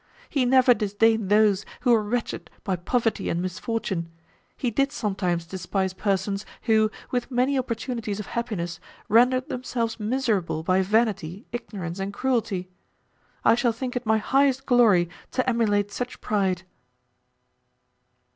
He never disdained those, who were wretched by poverty and misfortune; he did sometimes despise persons, who, with many opportunities of happiness, rendered themselves miserable by vanity, ignorance and cruelty. I shall think it my highest glory to emulate such pride."